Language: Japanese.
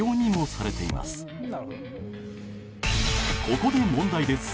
ここで問題です。